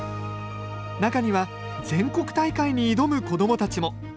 中には、全国大会に挑む子どもたちも。